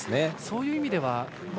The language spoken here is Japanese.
そういう意味では。